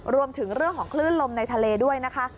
รวมถึงเรื่องของคลื่นลมในทะเลด้วยนะคะ